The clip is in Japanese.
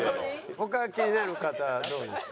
他気になる方どうですか？